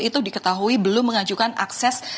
itu diketahui belum mengajukan akses